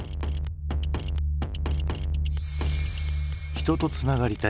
「人とつながりたい」。